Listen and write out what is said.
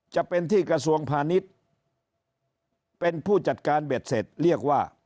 จะเป็นที่กระทรวงพาณิชย์เป็นผู้จัดการเบ็ดเสร็จเรียกว่า